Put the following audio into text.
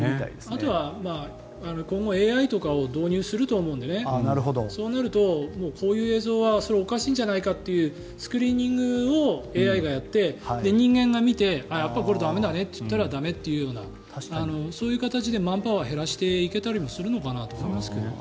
あとは今後ＡＩとかを導入すると思うのでそうなると、こういう映像はおかしいんじゃないかっていうスクリーニングをＡＩがやって人間が見てやっぱり、これは駄目だねとなったら駄目だというようなそういう形でマンパワーを減らしていけたりもするのかなと思いますけど。